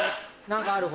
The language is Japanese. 何かある？